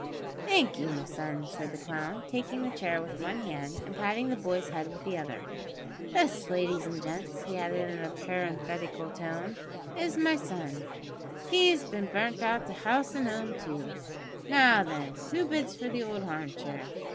"Thank you, my son," said the clown, taking the chair with one hand and patting the boy's head with the other; "this, ladies and gents," he added in a parenthetical tone, "is my son; he's bin burnt hout of 'ouse an' 'ome, too! Now, then, who bids for the old harm chair?